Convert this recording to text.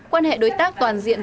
quan hệ đối tác toàn diện